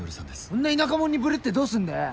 そんな田舎者にブルってどうすんだよ。